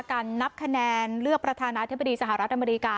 การนับคะแนนเลือกประธานาธิบดีสหรัฐอเมริกา